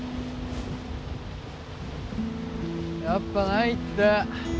やっぱないって。